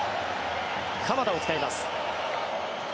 鎌田を使います。